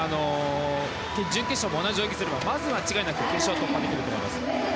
準決勝も同じ泳ぎをすればまず間違いなく準決勝突破できると思います。